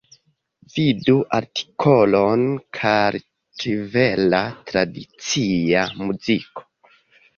Vidu artikolon Kartvela tradicia muziko.